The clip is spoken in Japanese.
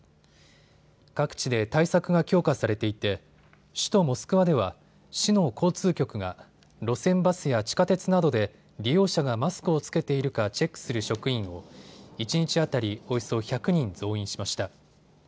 各地で対策が強化されていて首都モスクワでは市の交通局が路線バスや地下鉄などで利用者がマスクを着けているかチェックする職員を一日当たりおよそ１００人増員しました。